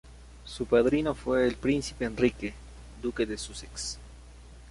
Su padrino fue el príncipe Enrique, duque de Sussex.